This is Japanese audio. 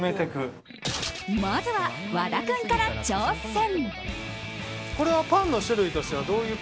まずは、和田君から挑戦。